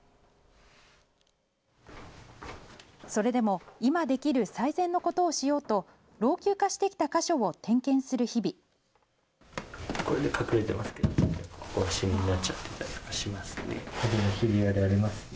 それでも、今できる最善のことをしようと、老朽化してきた箇所を点検する日々。